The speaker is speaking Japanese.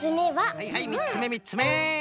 はいはいみっつめみっつめ。